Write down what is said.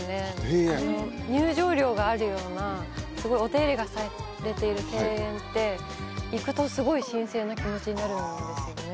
庭園入場料があるようなすごいお手入れがされている庭園って行くとすごい神聖な気持ちになるんですよね